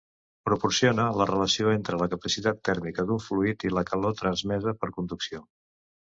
Proporciona la relació entre la capacitat tèrmica d'un fluid i la calor transmesa per conducció.